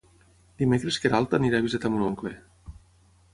Dimecres na Queralt irà a visitar mon oncle.